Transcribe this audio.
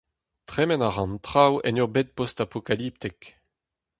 Tremen a ra an traoù en ur bed post-apokaliptek.